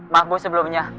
maaf bu sebelumnya